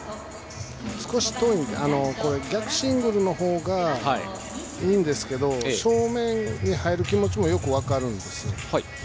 少し逆シングルのほうがいいんですけど正面に入る気持ちもよく分かるんです。